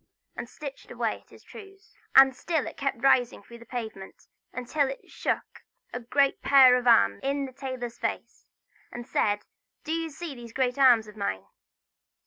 and stitched away at his trews. And still it kept rising through the pavement, until it shook a great pair of arms in the tailor's face, and said: "Do you see these great arms of mine?"